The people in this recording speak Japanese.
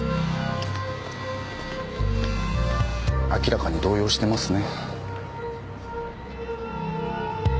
明らかに動揺してますね。